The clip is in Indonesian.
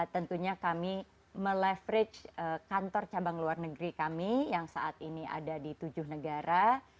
tentunya kami meleverage kantor cabang luar negeri kami yang saat ini ada di tujuh negara